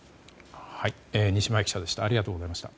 西前記者でした。